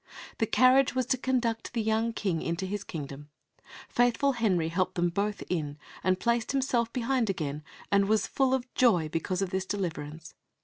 The carriage was to conduct the young King into his Kingdom. Faithful Henry helped them both in, and placed himself behind again, and was full of joy because of this deliverance.